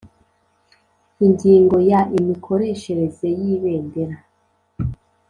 Ingingo ya Imikoreshereze y Ibendera